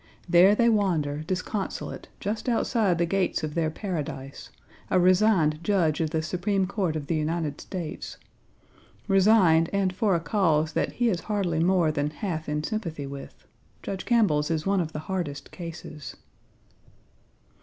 There they wander disconsolate, just outside the gates of their Paradise: a resigned Judge of the Supreme Court of the United States; resigned, and for a cause that he is hardly more than half in sympathy with, Judge Campbell's is one of the hardest cases.